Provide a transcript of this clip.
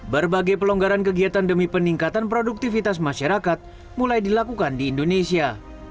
berbagai pelonggaran kegiatan demi peningkatan produktivitas masyarakat mulai dilakukan di indonesia